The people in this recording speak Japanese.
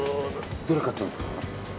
どれ買ったんですか。